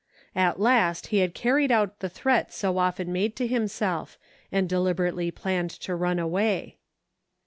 At last he had carried out the threat so often made to himself, and deliberately planned to run away.